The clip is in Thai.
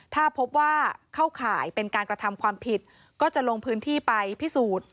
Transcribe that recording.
ถ้าพบว่าเข้าข่ายเป็นการกระทำความผิดก็จะลงพื้นที่ไปพิสูจน์